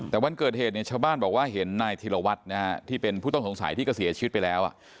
แต่วันเกิดเหตุเนี่ยชาวบ้านบอกว่าเห็นนายธีรวัตรนะฮะที่เป็นผู้ต้องสงสัยที่ก็เสียชีวิตไปแล้ว